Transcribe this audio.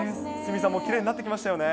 鷲見さんもきれいになってきましたよね。